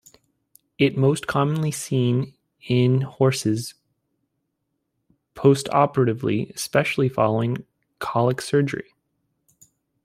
It most commonly seen in horses postoperatively, especially following colic surgery.